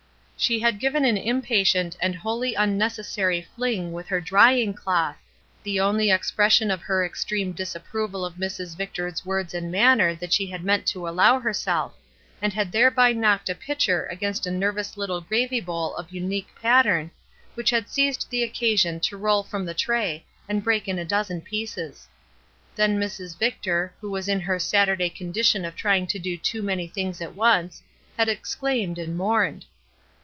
She had given an impatient and wholly unneces sary fling with her drying cloth — the only MODELS 113 expression of her extreme disapproval of Mrs. Victor's words and manner that she meant to aUow herself — and had thereby knocked a pitcher against a nervous Uttle gravy bowl of unique pattern, which had seized the occasion to roll from the tray and break in a dozen pieces. Then Mrs. Victor, who was in her Saturday condition of trying to do too many things at once, had exclaimed and mourned.